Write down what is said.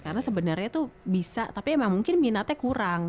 karena sebenernya tuh bisa tapi emang mungkin minatnya kurang